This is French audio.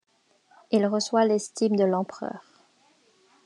Il reçoit l'estime de l'empereur.